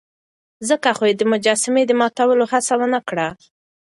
ځکه خو يې د مجسمې د ماتولو هڅه ونه کړه.